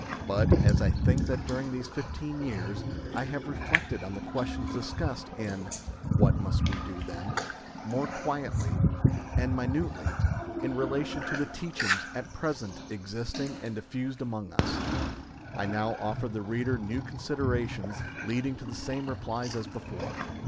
But, as I think that during these fifteen years I have re flected on the questions discussed in What Must We Do Then ? more quietly and minutely, in relation to the teachings at present existing and diffused among us, I now offer the reader new con siderations leading to the same replies as before.